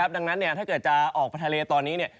ดังนั้นถ้าเกิดจะออกไปทะเลตอนนี้